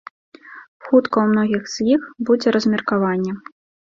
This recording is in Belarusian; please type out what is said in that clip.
Хутка ў многіх з іх будзе размеркаванне.